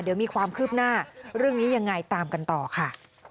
เดี๋ยวมีความคืบหน้าเรื่องนี้ยังไงตามกันต่อค่ะ